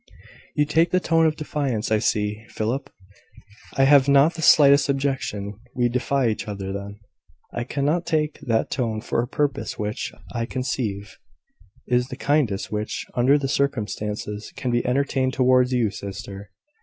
"You take the tone of defiance, I see, Philip. I have not the slightest objection. We defy each other, then." "I cannot but take that tone for a purpose which, I conceive, is the kindest which, under the circumstances, can be entertained towards you, sister.